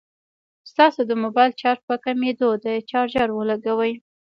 ستاسو د موبايل چارج په کميدو دی ، چارجر ولګوئ